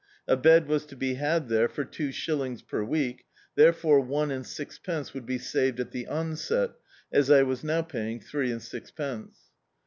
A bed was to be had there for two shillings per week, therefore one and sixpence would be saved at the onset, as I was now paying three and sixpence.